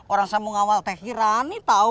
orang saya mau ngawal tak kirani tahu